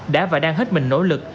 đã và đang hết mình nỗ lực